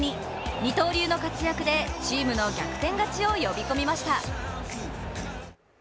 二刀流の活躍でチームの逆転勝ちを呼び込みました。